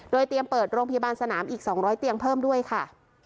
เตรียมเปิดโรงพยาบาลสนามอีก๒๐๐เตียงเพิ่มด้วยค่ะ